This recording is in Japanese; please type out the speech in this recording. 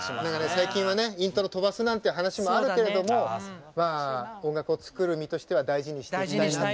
最近はねイントロ飛ばすなんて話もあるけれどもまあ音楽を作る身としては大事にしていきたいなと思うね。